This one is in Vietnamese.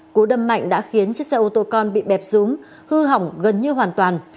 cú đâm mạnh đã khiến chiếc xe ô tô con bị bẹp rúm hư hỏng gần như hoàn toàn